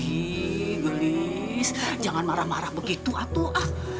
iih gelis jangan marah marah begitu atuh